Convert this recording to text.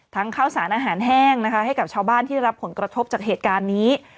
ข้าวสารอาหารแห้งนะคะให้กับชาวบ้านที่ได้รับผลกระทบจากเหตุการณ์นี้